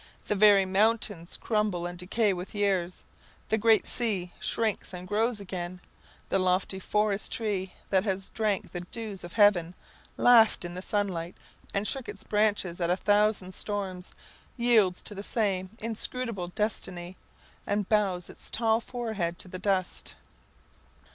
The very mountains crumble and decay with years; the great sea shrinks and grows again; the lofty forest tree, that has drank the dews of heaven, laughed in the sunlight, and shook its branches at a thousand storms, yields to the same inscrutable destiny, and bows its tall forehead to the dust.